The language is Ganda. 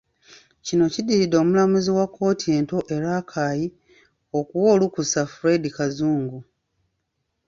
Kino kiddiridde Omulamuzi wa kkooti ento e Rakai okuwa olukusa Fred Kazungu